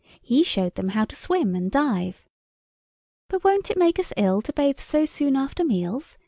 He showed them how to swim and dive. "But won't it make us ill to bathe so soon after meals?